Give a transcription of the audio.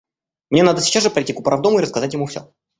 Мне надо сейчас же пройти к управдому и рассказать ему все.